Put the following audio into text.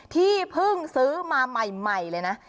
ที่เพิ่งซื้อมาใหม่เลยนะ